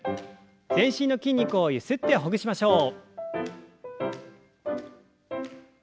全身の筋肉をゆすってほぐしましょう。